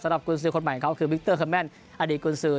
สำหรับกุญสือคนใหม่ของเขาคือวิคเตอร์เคิมแม่นอดีตกุญสือ